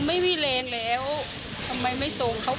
ไม่นึกจะกลับมา